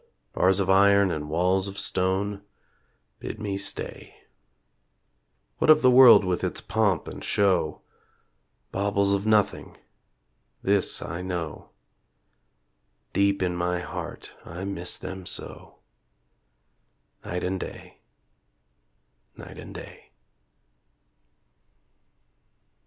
Bars of iron and walls of stone Bid me stay. What of the world with its pomp and show? Baubles of nothing! This I know: Deep in my heart I miss them so Night and day, night and day.